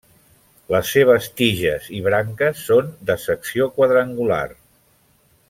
Les seves tiges i branques són de secció quadrangular.